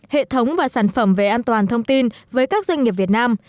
hệ thống và sản phẩm về an toàn thông tin với các doanh nghiệp việt nam